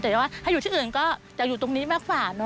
แต่ว่าถ้าอยู่ที่อื่นก็อยากอยู่ตรงนี้มากกว่าเนอ